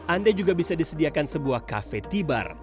anda juga bisa disediakan sebuah kafe tibar